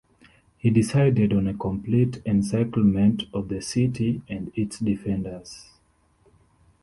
He decided on a complete encirclement of the city and its defenders.